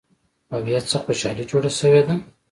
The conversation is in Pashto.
او يا څه خوشحالي جوړه شوې ده